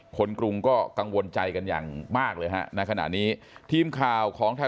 กรุงก็กังวลใจกันอย่างมากเลยฮะในขณะนี้ทีมข่าวของไทย